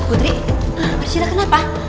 putri arshila kenapa